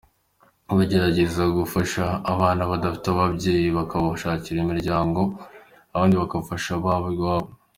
Bagerageza gufasha abana badafite ababyeyi bakabashakira imiryango abandi bakabafasha baba iwabo.